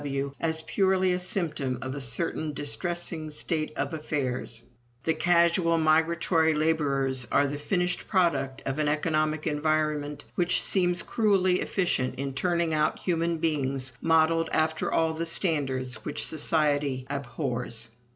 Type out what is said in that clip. W.W. as purely a symptom of a certain distressing state of affairs. The casual migratory laborers are the finished product of an economic environment which seems cruelly efficient in turning out human beings modeled after all the standards which society abhors.